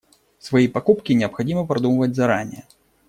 Свои покупки необходимо продумывать заранее.